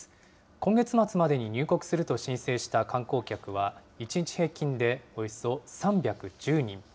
今月末までに入国すると申請した観光客は、１日平均でおよそ３１０人。